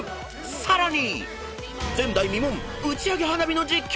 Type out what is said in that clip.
［さらに］